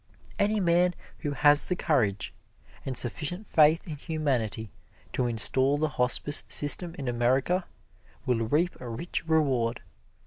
Any man who has the courage, and sufficient faith in humanity to install the hospice system in America will reap a rich reward.